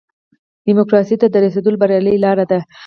ډیموکراسۍ ته د رسېدو بریالۍ لاره ده.